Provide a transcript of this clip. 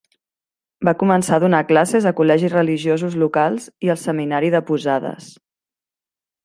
Va començar a donar classes a col·legis religiosos locals i al seminari de Posadas.